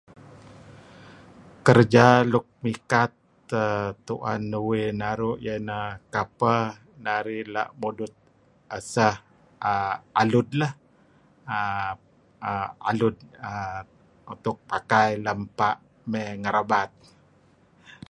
Kereja luk mikat err tu'en uih naru' ieh ineh kapeh narih la' mudut eseh err alud leh. Aaa... aaa... alud err untuk pakai lem fa' mey ngerabat.